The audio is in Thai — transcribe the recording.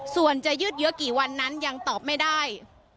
ส่วนจะยืดเยอะกี่วันนั้นยังตอบไม่ได้